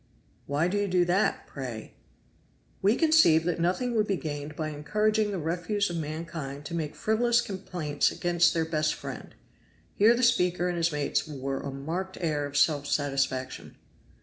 "Why do you do that, pray?" "We conceive that nothing would be gained by encouraging the refuse of mankind to make frivolous complaints against their best friend." Here the speaker and his mates wore a marked air of self satisfaction.